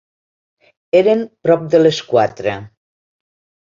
Eren prop de les quatre.